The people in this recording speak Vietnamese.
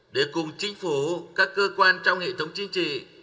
để cùng chính phủ các cơ quan trong hệ thống chính trị